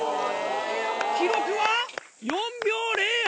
記録は４秒０８！